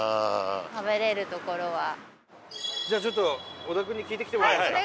じゃあちょっと小田君に聞いてきてもらいますか。